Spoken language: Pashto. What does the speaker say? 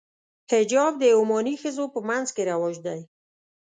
حجاب د عماني ښځو په منځ کې رواج دی.